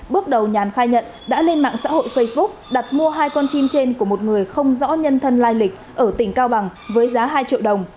bước đầu nhàn khai nhận đã lên mạng xã hội facebook đặt mua hai con chim trên của một người không rõ nhân thân lai lịch ở tỉnh cao bằng với giá hai triệu đồng